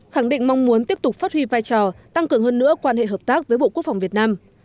khẳng định mong muốn tiếp tục phát huy vai trò tăng cường hơn nữa quan hệ hợp tác với bộ quốc phòng việt nam